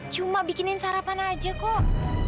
cuma bikinin sarapan aja kok